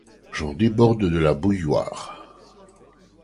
J’en déborde de la bouilloire.